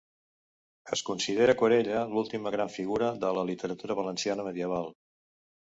Es considera Corella l'última gran figura de la literatura valenciana medieval.